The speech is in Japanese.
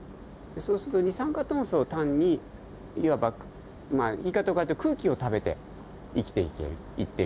そうすると二酸化炭素を単にいわばまあ言い方を変えると空気を食べて生きていけるいっているようなもんですよね。